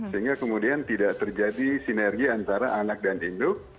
sehingga kemudian tidak terjadi sinergi antara anak dan induk